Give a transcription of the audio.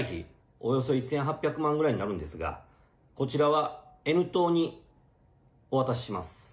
およそ１８００万ぐらいになるんですが、こちらはＮ党にお渡しします。